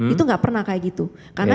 itu tidak pernah seperti itu karena